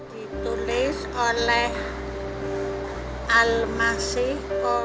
yang ditulis oleh alma sikos